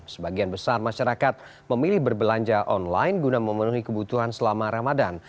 sebagian besar masyarakat memilih berbelanja online guna memenuhi kebutuhan selama ramadan